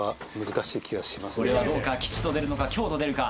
これはどうか吉と出るのか凶と出るか。